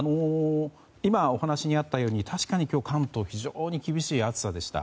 今、お話にあったように確かに今日の関東は非常に厳しい暑さでした。